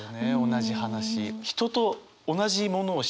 同じ話。